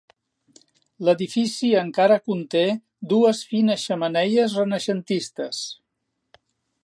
L'edifici encara conté dues fines xemeneies renaixentistes.